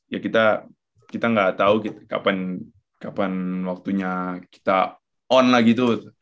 ya kita nggak tahu kapan waktunya kita on lah gitu